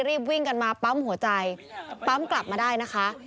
รีบวิ่งกันมาปั๊มหัวใจปั๊มกลับมาได้นะคะ